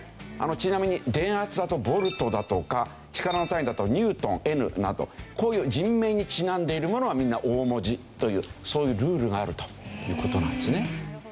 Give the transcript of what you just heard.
ちなみに電圧だとボルトだとか力の単位だとニュートンＮなどこういう人名にちなんでいるものはみんな大文字というそういうルールがあるという事なんですね。